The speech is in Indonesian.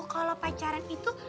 kalau pacaran itu